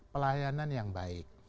pelayanan yang baik